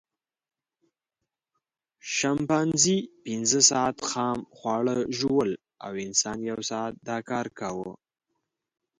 شامپانزي پینځه ساعته خام خواړه ژوول او انسان یو ساعت دا کار کاوه.